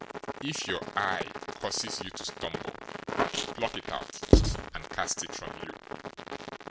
018:009 If your eye causes you to stumble, pluck it out, and cast it from you.